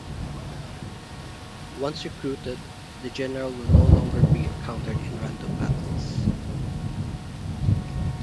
Once recruited, the general will no longer be encountered in random battles.